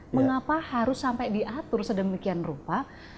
mengapa harus sampai diatur sedemikian rupa